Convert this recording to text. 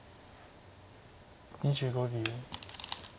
２５秒。